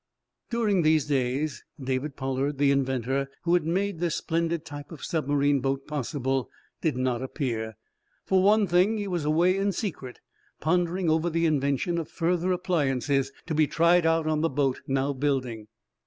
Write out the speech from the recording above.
During these days David Pollard, the inventor who had made this splendid type of submarine boat possible, did not appear. For one thing, he was away in secret, pondering over the invention of further appliances to be tried out on the boat now building.